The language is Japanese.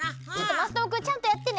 まさともくんちゃんとやってね。